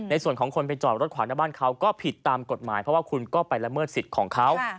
ในส่วนของคนไปจอดรถขวางหน้าบ้านเขาก็ผิดตามกฎหมายเพราะว่าคุณก็ไปละเมิดสิทธิ์ของเขา